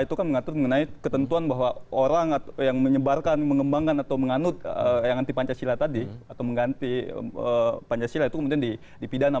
itu kan mengatur mengenai ketentuan bahwa orang yang menyebarkan mengembangkan atau menganut yang anti pancasila tadi atau mengganti pancasila itu kemudian dipidana